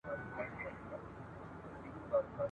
پر هغه وعده ولاړ یم په ازل کي چي مي کړې ,